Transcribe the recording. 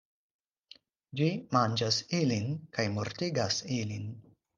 Ĝi manĝas ilin, kaj mortigas ilin.